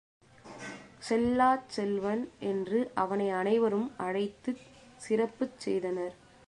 செல்லாச் செல்வன் என்று அவனை அனைவரும் அழைத்துச் சிறப்புச் செய்தனர்.